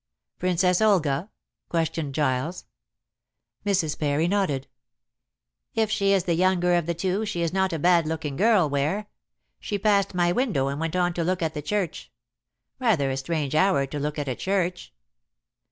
"Princess Olga?" questioned Giles. Mrs. Parry nodded. "If she is the younger of the two, she is not a bad looking girl, Ware. She passed my window and went on to look at the church. Rather a strange hour to look at a church."